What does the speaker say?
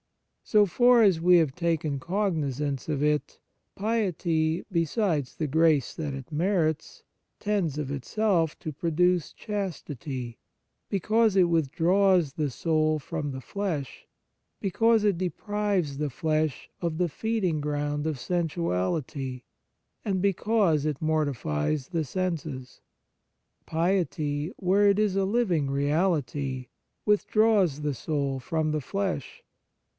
So far as we have taken cog nizance of it, piety, besides the grace that it merits, tends of itself to produce chastity, because it with draws the soul from the flesh, because it deprives the flesh of the feeding ground of sensuality, and because it mortifies the senses. Piety, where it is a living reality, withdraws the soul from the flesh.